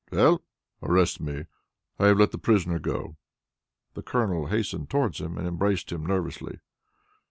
"Well?" "Arrest me! I have let the prisoner go!" The Colonel hastened towards him, and embraced him nervously.